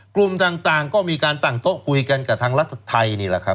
กลุ่มต่างก็มีการตั้งโต๊ะคุยกันกับทางรัฐไทยนี่แหละครับ